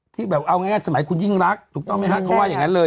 ที่แบบเอาง่ายสมัยคุณยิ่งรักถูกต้องไหมฮะเขาว่าอย่างนั้นเลย